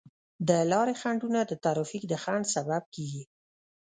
د لارې خنډونه د ترافیک د ځنډ سبب کیږي.